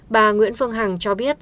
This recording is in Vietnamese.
bà nguyễn phương hằng cho biết